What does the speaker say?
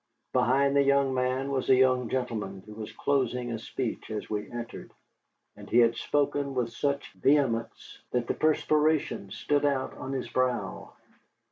Behind the young man was a young gentleman who was closing a speech as we entered, and he had spoken with such vehemence that the perspiration stood out on his brow.